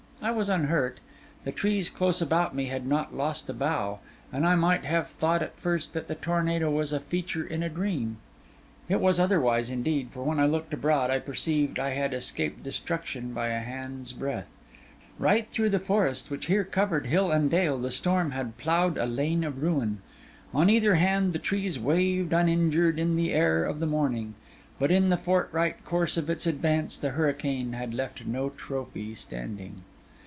I was unhurt; the trees close about me had not lost a bough; and I might have thought at first that the tornado was a feature in a dream. It was otherwise indeed; for when I looked abroad, I perceived I had escaped destruction by a hand's breadth. Right through the forest, which here covered hill and dale, the storm had ploughed a lane of ruin. On either hand, the trees waved uninjured in the air of the morning; but in the forthright course of its advance, the hurricane had left no trophy standing.